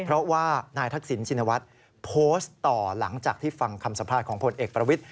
เพราะว่านายทักษิณชินวัฒน์โพสต์ต่อหลังจากที่ฟังคำสัมภาษณ์ของพลเอกประวิทธิ